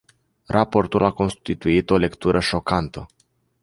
Raportul a constituit o lectură șocantă.